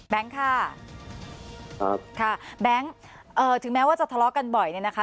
ค่ะครับค่ะแบงค์เอ่อถึงแม้ว่าจะทะเลาะกันบ่อยเนี่ยนะคะ